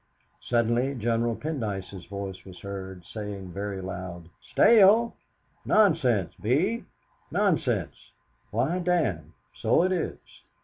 Suddenly General Pendyce's voice was heard saying very loud, "Stale? Nonsense, Bee, nonsense! Why, damme, so it is!"